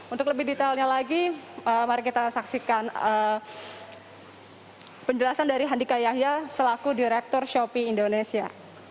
untuk lebih detailnya lagi mari kita saksikan penjelasan dari handika yahya selaku direktur shopee indonesia